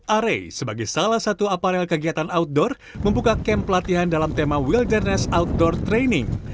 arey sebagai salah satu aparel kegiatan outdoor membuka camp pelatihan dalam tema wilderness outdoor training